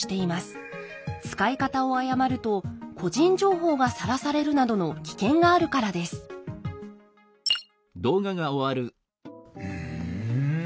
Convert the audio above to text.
使い方を誤ると個人情報がさらされるなどの危険があるからですふん。